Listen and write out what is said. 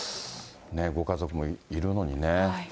ご家族もいるのにね。